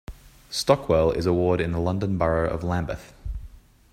Stockwell is a ward in the London Borough of Lambeth.